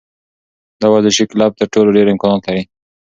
دا ورزشي کلب تر ټولو ډېر امکانات لري.